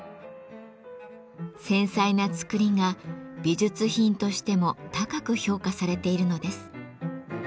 繊細なつくりが美術品としても高く評価されているのです。